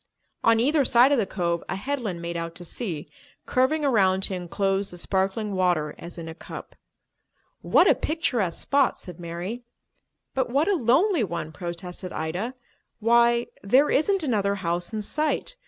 On either side of the cove a headland made out to sea, curving around to enclose the sparkling water as in a cup. "What a picturesque spot!" said Mary. "But what a lonely one!" protested Ida. "Why, there isn't another house in sight.